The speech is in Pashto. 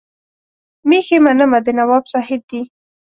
مېښې منمه د نواب صاحب دي.